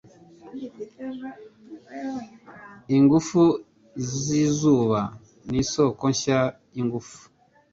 Ingufu zizuba nisoko nshya yingufu.